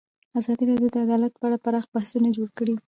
ازادي راډیو د عدالت په اړه پراخ بحثونه جوړ کړي.